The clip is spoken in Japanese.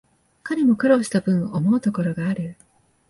彼も苦労したぶん、思うところがある